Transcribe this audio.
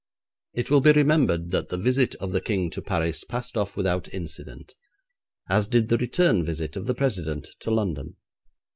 It will be remembered that the visit of the King to Paris passed off without incident, as did the return visit of the President to London.